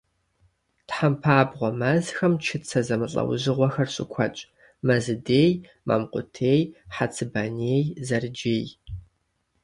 Тхьэмпабгъуэ мэзхэм чыцэ зэмылӀэужьыгъуэхэр щыкуэдщ: мэзыдей, мамкъутей, хъэцыбаней, зэрыджей.